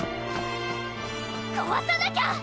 こわさなきゃ！